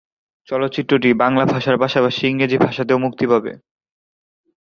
চলচ্চিত্রটি বাংলা ভাষার পাশাপাশি ইংরেজি ভাষাতেও মুক্তি পাবে।